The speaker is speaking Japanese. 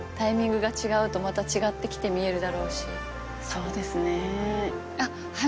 そうですね。